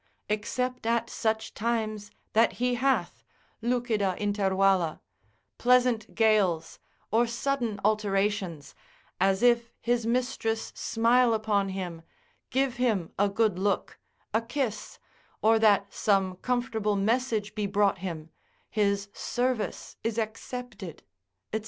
except at such times that he hath lucida intervalla, pleasant gales, or sudden alterations, as if his mistress smile upon him, give him a good look, a kiss, or that some comfortable message be brought him, his service is accepted, &c.